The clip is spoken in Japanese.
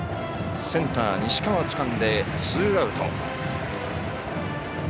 センター西川つかんでツーアウト。